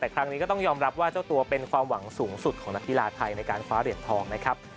แต่ครั้งนี้ก็ต้องยอมรับว่าเจ้าตัวเป็นความหวังสูงสุดของนักกีฬาไทยในการคว้าเหรียญทองนะครับ